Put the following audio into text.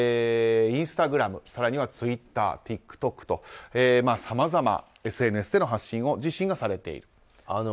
インスタグラム、更にはツイッター、ＴｉｋＴｏｋとさまざま、ＳＮＳでの発信を自身がされている。